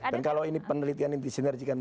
dan kalau ini penelitian yang disinergikan